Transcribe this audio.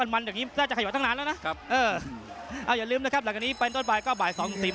มีเทียมตลอดมีเทียมตลอด